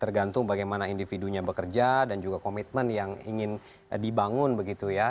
tergantung bagaimana individunya bekerja dan juga komitmen yang ingin dibangun begitu ya